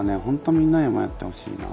みんなにもやってほしいな。